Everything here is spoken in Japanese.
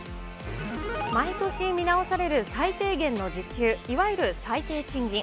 毎年見直される最低限の時給、いわゆる最低賃金。